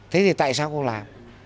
thế thì tại sao không làm